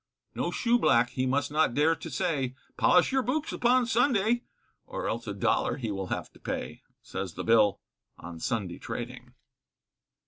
No shoeblack, he must not dare to say, Polish your boots upon Sunday, Or else a dollar he will have to pay, Says the Bill on Sunday trading.